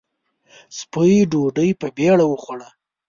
سپۍ ډوډۍ په بېړه وخوړه.